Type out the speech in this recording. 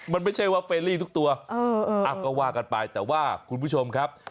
มันไม่ใช่ว่าเฟรลี่ทุกตัวก็ว่ากันไปแต่ว่าคุณผู้ชมครับ